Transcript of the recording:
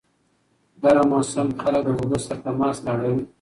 ګرم موسم خلک د اوبو سره تماس ته اړوي.